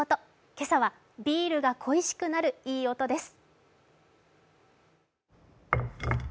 今朝はビールが恋しくなるいい音です。